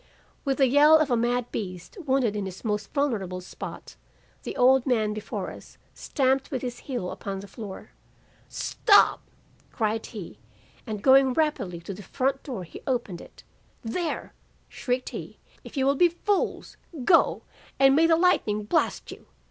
"With the yell of a mad beast wounded in his most vulnerable spot, the old man before us stamped with his heel upon the floor. "'Stop!' cried he; and going rapidly to the front door he opened it. 'There!' shrieked he, 'if you will be fools, go! and may the lightning blast you.